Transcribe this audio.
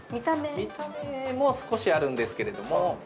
◆見た目も少しあるんですけれども。